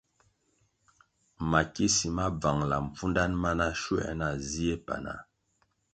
Mikisi ma bvangʼla mpfudanʼ mana shuē na zie panah.